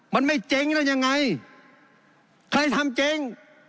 มันไม่เจ๊งแล้วยังไงใครทำเจ๊ง